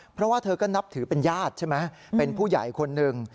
เพราะว่าเธอก็นับถือเป็นญาติใช่ไหมเป็นผู้ใหญ่คนหนึ่ง